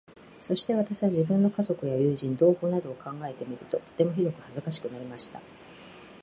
そして私は、自分の家族や友人、同胞などを考えてみると、とてもひどく恥かしくなりました。